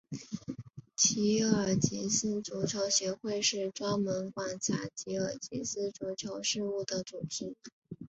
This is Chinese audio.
吉尔吉斯足球协会是专门管辖吉尔吉斯足球事务的组织。